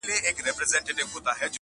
اورنګ زېب ویل پر ما یو نصیحت دی-